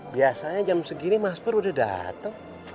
biasanya jam segini mas pur udah datang